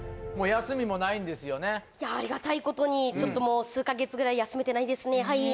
いやありがたいことにちょっと数か月ぐらい休めてないですねえっ